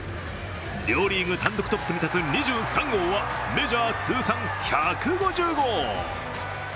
両リーグ単独トップに立つ２３号はメジャー通算１５０号。